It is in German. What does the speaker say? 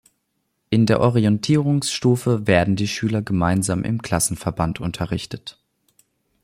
In der Orientierungsstufe werden die Schüler gemeinsam im Klassenverband unterrichtet.